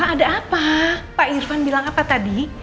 ada apa pak irfan bilang apa tadi